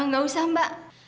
gak usah mbak